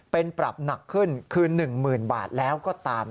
เป็นปรับหนักขึ้นคือ๑๐๐๐บาทแล้วก็ตาม